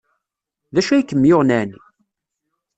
D acu ay kem-yuɣen ɛni?